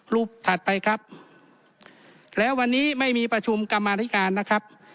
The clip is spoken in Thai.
ถัดไปครับแล้ววันนี้ไม่มีประชุมกรรมาธิการนะครับ